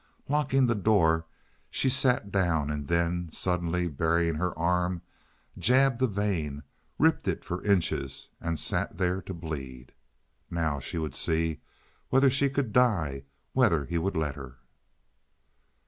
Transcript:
Locking the door, she sat down and then, suddenly baring an arm, jabbed a vein—ripped it for inches—and sat there to bleed. Now she would see whether she could die, whether he would let her.